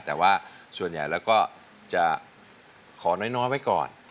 แต่ว่าส่วนใหญ่แล้วก็จะขอน้อยไว้ก่อน